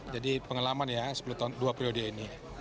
jadi pengalaman ya sepuluh tahun dua periode ini